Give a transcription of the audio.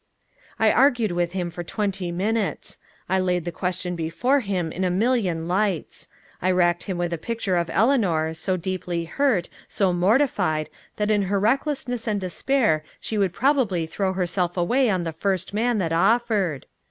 I argued with him for twenty minutes; I laid the question before him in a million lights; I racked him with a picture of Eleanor, so deeply hurt, so mortified, that in her recklessness and despair she would probably throw herself away on the first man that offered!